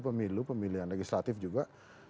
pemilu pemilihan legislatif juga